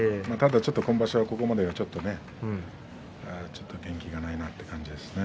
今場所は、ここまでちょっと元気がないなという感じですね。